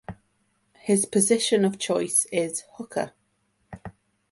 His position of choice is Hooker.